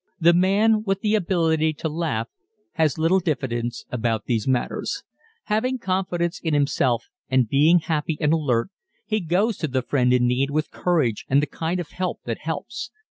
_ The man with the ability to laugh has little diffidence about these matters. Having confidence in himself and being happy and alert he goes to the friend in need with courage and the kind of help that helps.